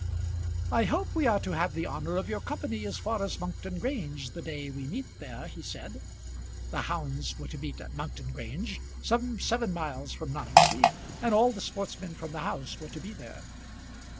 "I hope we are to have the honour of your company as far as Monkton Grange the day we meet there," he said. The hounds were to meet at Monkton Grange, some seven miles from Noningsby, and all the sportsmen from the house were to be there.